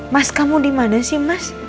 mas kamu dimana sih mas